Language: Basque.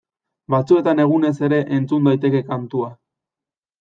Batzuetan egunez ere entzun daiteke kantua.